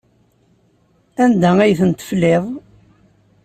Anda ay tent-tefliḍ?